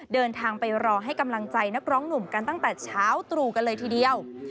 เดินทางไปรอให้กำลังใจนักร้องหนุ่มกันตั้งแต่เช้าตรู่กันเลยทีเดียว